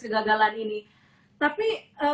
kegagalan ini tapi